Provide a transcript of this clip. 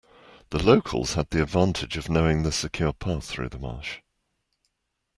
The locals had the advantage of knowing the secure path through the marsh.